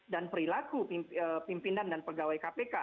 perilaku pimpinan dan pegawai kpk